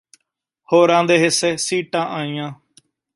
ਹੋਰਾਂ ਦੇ ਹਿੱਸੇ ਸੀਟਾਂ ਆਈਆਂ